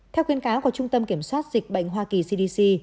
theo khuyên cáo của trung tâm kiểm soát dịch bệnh hoa kỳ cdc